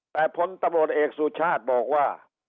แต่ผลตะบลเอกสุชาติบอกว่า